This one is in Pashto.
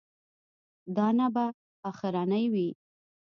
دا نه به اخرنی وي.